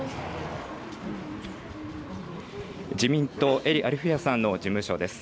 自民党、英利アルフィヤさんの事務所です。